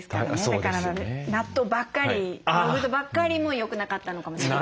だから納豆ばっかりヨーグルトばっかりもよくなかったのかもしれない。